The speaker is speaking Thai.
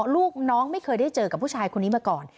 ลูกน้องไม่เคยได้เจอกับผู้ชายคนนี้มาก่อน